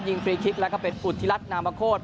ยิงฟรีคลิกและเป็นอุทิรัตน์นามโพธิ์